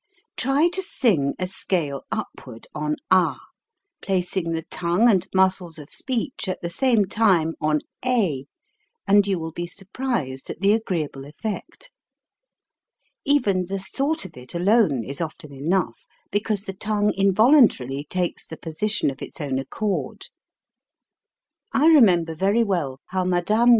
Try to sing a scale upward on ah, placing the tongue and muscles of speech at the same time on a, and you will be surprised at the agreeable effect. Even the thought of it alone is often enough, because the tongue involuntarily takes the position of its own accord. I remember very well how Mme.